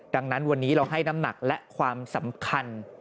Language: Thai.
ดังนั้นวันนี้เราให้น้ำหนักและความสำคัญ